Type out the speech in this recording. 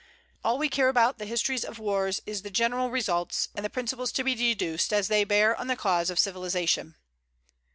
All we care about the histories of wars is the general results, and the principles to be deduced as they bear on the cause of civilization.